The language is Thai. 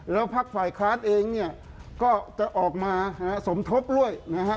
แล้วพักฝ่ายค้านเองเนี่ยก็จะออกมาสมทบด้วยนะฮะ